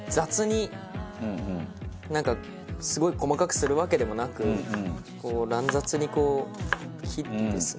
なんかすごい細かくするわけでもなくこう乱雑に切ってですね。